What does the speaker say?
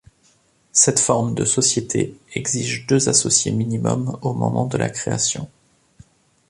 Cette forme de société exige deux associés minimum au moment de la création.